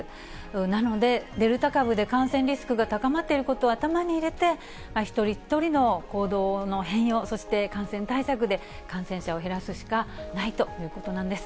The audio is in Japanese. なので、デルタ株で感染リスクが高まっていることを頭に入れて、一人一人の行動の変容、そして感染対策で、感染者を減らすしかないということなんです。